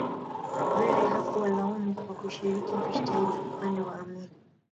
Nyerere hakuwalaumu kwa kushiriki vita hivyo upande wa Amin